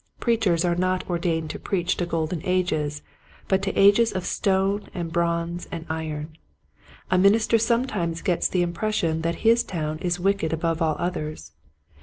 Preachers are not ordained to preach to golden ages but to ages of stone and bronze and iron. A minister sometimes gets the impression that his town is wicked above all others.